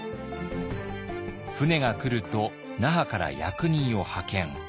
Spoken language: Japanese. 船が来ると那覇から役人を派遣。